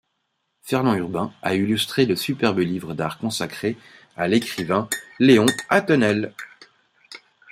Fernand Urbain a illustré le superbe livre d'art consacré à l'écrivain Léon Attenelle.